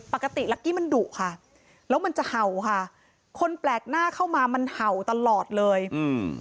ปกติลักกี้มันดุค่ะแล้วมันจะเห่าค่ะคนแปลกหน้าเข้ามามันเห่าตลอดเลยอืม